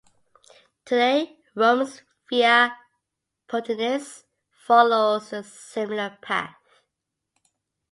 Today Rome's Via Portuense follows a similar path.